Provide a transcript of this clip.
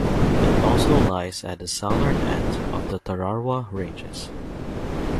It also lies at the southern end of the Tararua Ranges.